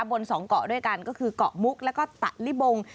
บนสองเกาะด้วยกันก็คือเกาะมุกแล้วก็ตะลิบง